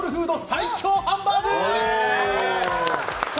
最強ハンバーグ。